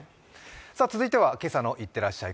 続いては「今朝のいってらっしゃい」